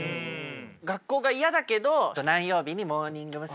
学校が嫌だけど何曜日にモーニング娘。